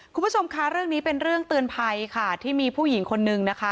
คุณผู้ชมค่ะเรื่องนี้เป็นเรื่องเตือนภัยค่ะที่มีผู้หญิงคนนึงนะคะ